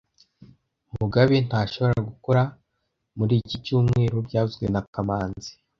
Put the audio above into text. Mugabe ntashobora gukora muri iki cyumweru byavuzwe na kamanzi